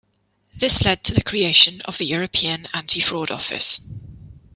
This led to the creation of the European Anti-fraud Office.